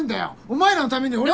お前らのために俺は。